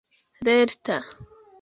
lerta